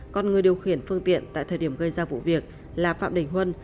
còn người điều khiển phương tiện tại thời điểm gây ra vụ việc là phạm đình huân